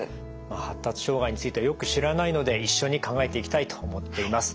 発達障害についてはよく知らないので一緒に考えていきたいと思っています。